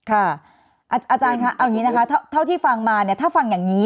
อาจารย์คะเอาอย่างนี้นะคะเท่าที่ฟังมาเนี่ยถ้าฟังอย่างนี้